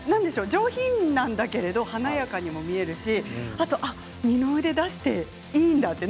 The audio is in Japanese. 上品なんだけれども華やかにも見えるしあと二の腕出してもいいんだって。